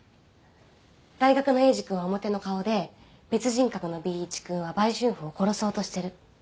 大学のエイジ君は表の顔で別人格のＢ一君は売春婦を殺そうとしてる。